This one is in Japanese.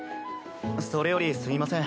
それよりすいません。